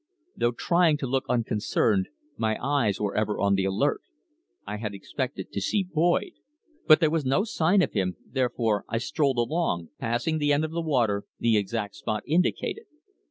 Though trying to look unconcerned, my eyes were ever on the alert. I had expected to see Boyd, but there was no sign of him, therefore I strolled along, passing the end of the water, the exact spot indicated.